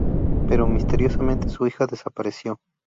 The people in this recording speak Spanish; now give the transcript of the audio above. Pero, misteriosamente, su hija desapareció.